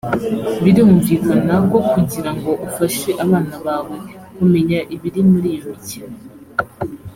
birumvikana ko kugira ngo ufashe abana bawe kumenya ibiri muri iyo mikino